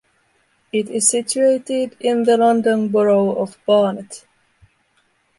It is situated in the London Borough of Barnet.